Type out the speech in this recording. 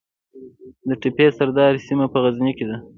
د تپې سردار سیمه په غزني کې ده